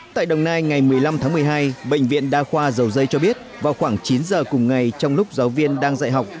tại đồng nai ngày một mươi năm tháng một mươi hai bệnh viện đa khoa dầu dây cho biết vào khoảng chín giờ cùng ngày trong lúc giáo viên đang dạy học